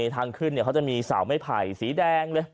ทางขึ้นเขาจะมีสาวไม่ไผ่สีแดงเลย